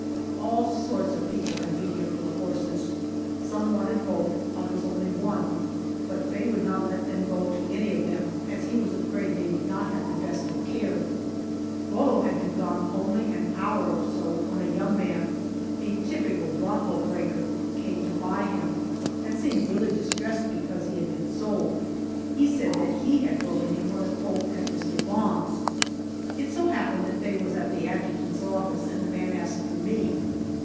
All sorts of people have been here for the horses some wanted both, others only one but Faye would not let them go to any of them, as he was afraid they would not have the best of care. Rollo had been gone only an hour or so when a young man a typical bronco breaker came to buy him, and seemed really distressed because he had been sold. He said that he had broken him when a colt at Mr. Vaughn's. It so happened that Faye was at the adjutant's office, and the man asked for me.